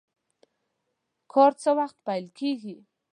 کار څه وخت پیل کیږي؟